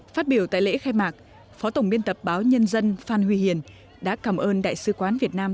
phát biểu tại lễ khai mạc phó tổng biên tập báo nhân dân phan huy hiền đã cảm ơn đại sứ quán việt nam